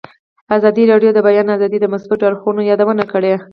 ازادي راډیو د د بیان آزادي د مثبتو اړخونو یادونه کړې.